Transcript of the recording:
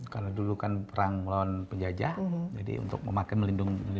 kalau dulu kan perang melawan penjajah jadi untuk memakai melindungi